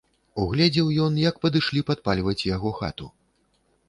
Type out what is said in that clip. Угледзеў ён, як падышлі падпальваць яго хату.